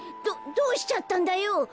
どどうしちゃったんだよ。